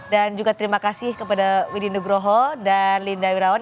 dan juga terima kasih kepada widin nugroho dan linda wirawan